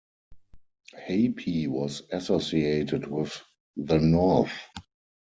Hapi was associated with the north.